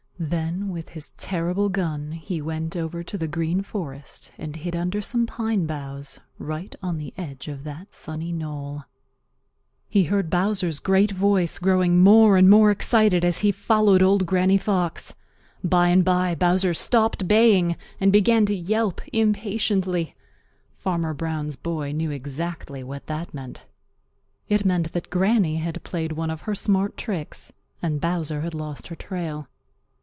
Then with his terrible gun he went over to the Green Forest and hid under some pine boughs right on the edge of that sunny knoll. He waited patiently a long, long time. He heard Bowser's great voice growing more and more excited as he followed Old Granny Fox. By and by Bowser stopped baying and began to yelp impatiently. Farmer Brown's boy knew exactly what that meant. It meant that Granny had played one of her smart tricks and Bowser had lost her trail.